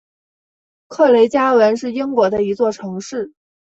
克雷加文是英国的一座城市。